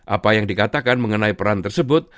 apa yang dikatakan mengenai peran tersebut